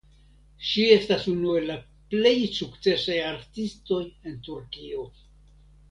Ŝi estas unu el la plej sukcesaj artistoj en Turkio.